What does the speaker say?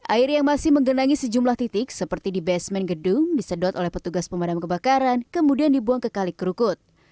air yang masih menggenangi sejumlah titik seperti di basement gedung disedot oleh petugas pemadam kebakaran kemudian dibuang ke kalik kerukut